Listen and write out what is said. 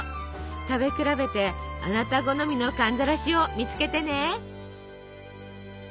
食べ比べてあなた好みの寒ざらしを見つけてね。